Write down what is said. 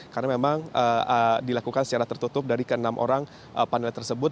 karena memang dilakukan secara tertutup dari ke enam orang panel tersebut